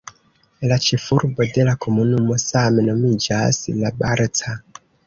La ĉefurbo de la komunumo same nomiĝas "La Barca".